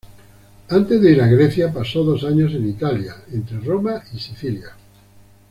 Antes de ir a Grecia, pasó dos años en Italia, entre Roma y Sicilia.